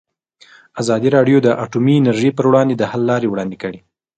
ازادي راډیو د اټومي انرژي پر وړاندې د حل لارې وړاندې کړي.